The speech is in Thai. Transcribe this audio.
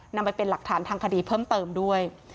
นำไปเป็นหลักฐานทางคดีเพิ่มเติมด้วย